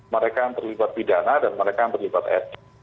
mereka yang terlibat pidana dan mereka yang terlibat etik